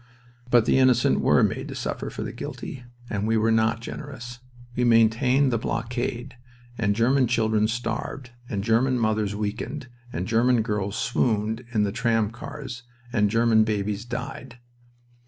But the innocent were made to suffer for the guilty and we were not generous. We maintained the blockade, and German children starved, and German mothers weakened, and German girls swooned in the tram cars, and German babies died.